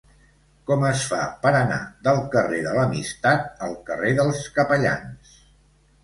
Com es fa per anar del carrer de l'Amistat al carrer dels Capellans?